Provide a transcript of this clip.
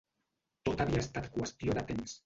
Tot havia estat qüestió de temps.